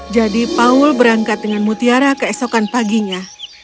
paul berangkat dengan mutiara keesokan paginya